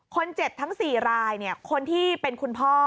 คนเจ็บทั้ง๔รายคนที่เป็นคุณพ่อ